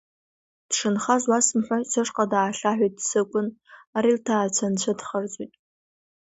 Дшынхаз уасымҳәои, сышҟа даахьаҳәит Сыкәын, ари лҭаацәа анцәа дхарҵоит.